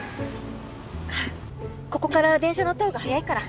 ここから電車乗ったほうが早いから。